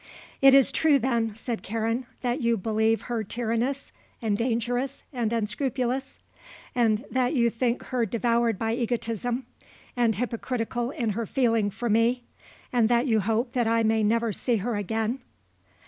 "It is true, then," said Karen, "that you believe her tyrannous and dangerous and unscrupulous, and that you think her devoured by egotism, and hypocritical in her feeling for me, and that you hope that I may never see her again?"